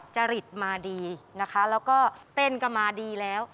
จริตมาดีนะคะแล้วก็เต้นก็มาดีแล้ว